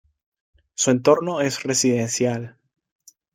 Su entorno es residencial.